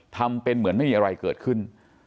ทำเป็นเหมือนไม่มีอะไรเกิดขึ้น